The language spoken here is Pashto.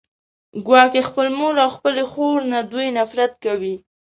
ګواکې خپلې مور او خپلې خور نه دوی نفرت کوي